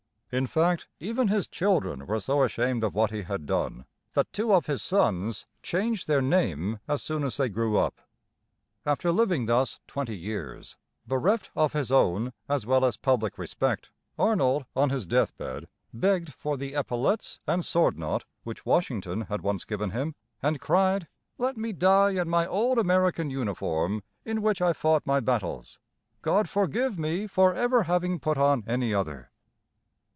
In fact, even his children were so ashamed of what he had done that two of his sons changed their name as soon as they grew up. After living thus twenty years, bereft of his own as well as public respect, Arnold on his deathbed begged for the epaulets and sword knot which Washington had once given him, and cried: "Let me die in my old American uniform, in which I fought my battles. God forgive me for ever having put on any other!"